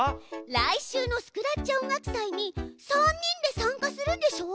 来週のスクラッチ音楽祭に３人で参加するんでしょう。